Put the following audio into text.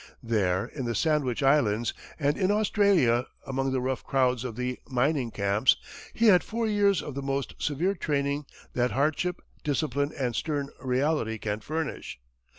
There, in the Sandwich Islands, and in Australia, among the rough crowds of the mining camps, he had four years of the most severe training that hardship, discipline, and stern reality can furnish.